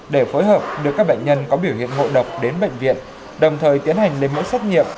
để phối hợp được các bệnh nhân có biểu hiện ngộ độc đến bệnh viện đồng thời tiến hành lên mỗi xét nghiệp